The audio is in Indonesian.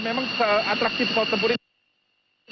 memang atraksi pesawat tempur ini